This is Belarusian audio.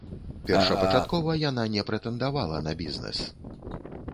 Першапачаткова яна не прэтэндавала на бізнэс.